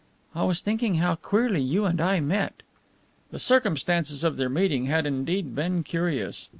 "I was thinking how queerly you and I met." The circumstances of their meeting had indeed been curious.